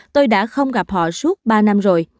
tôi đã không gặp họ suốt ba năm rồi